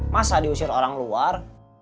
masa diusir orang luar